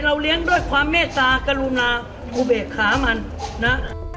เลี้ยงด้วยความเมตตากรุณาภูเบกขามันนะ